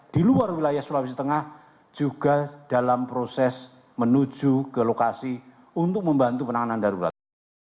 di luar wilayah sulawesi tengah juga dalam proses menuju ke lokasi untuk membantu penanganan darurat